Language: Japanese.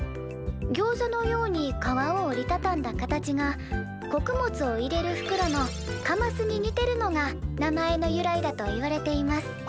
ギョーザのように皮を折りたたんだ形が穀物を入れるふくろのかますに似てるのが名前の由来だといわれています。